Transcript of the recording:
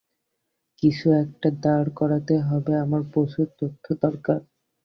কিছু একটা দাঁড় করাতে হলে আমার প্রচুর তথ্য দরকার।